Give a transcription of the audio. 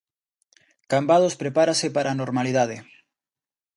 Cambados prepárase para a normalidade.